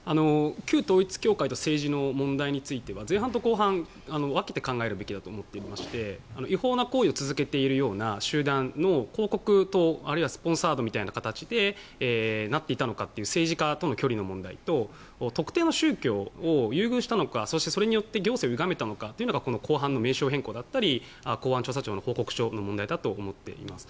旧統一教会と政治の問題については前半と後半分けて考えるべきだと思っていまして違法な行為を続けているような集団の広告塔あるいはスポンサードみたいな形でなっていたのかという政治家との距離の問題と特定の宗教を優遇したのかそして、それによって行政をゆがめたというのがこの後半の名称変更であったり公安調査庁の報告書の問題だと思っています。